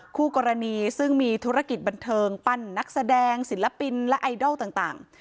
คู่กรณีซึ่งมีธุรกิจบันเทิงปั้นนักแสดงศิลปินและไอดอลต่าง